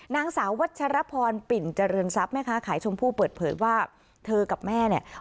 นางสาววัชรพรปิ่นเจริญทรัพย์แม่ค้าขายชมพู่เปิดเผยว่าเธอกับแม่เนี่ย